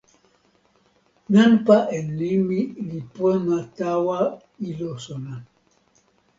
nanpa en nimi li pona tawa ilo sona.